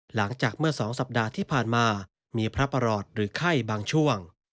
หลังจากเมื่อ๒สัปดาห์ที่ผ่านมามีพระประหลอดหรือไข้บางช่วง